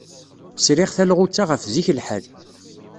Sriɣ talɣut-a ɣef zik lḥal.